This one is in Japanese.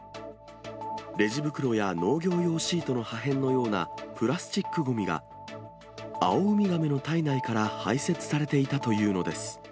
レジ袋や農業用シートの破片のようなプラスチックごみが、アオウミガメの体内から排せつされていたというのです。